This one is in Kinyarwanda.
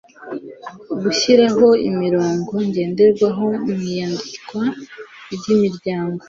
gushyiraho imirongo ngenderwaho mu iyandikwa ry'imiryango